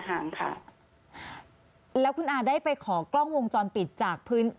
ห่างค่ะแล้วคุณอาได้ไปขอกล้องวงจรปิดจากพื้น